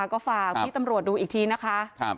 ก็ฝากพี่ตำรวจดูอีกทีนะคะ